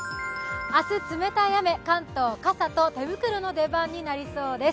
明日冷たい雨、関東傘と手袋の出番になりそうです。